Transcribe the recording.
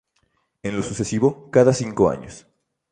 En lo sucesivo, cada cinco años.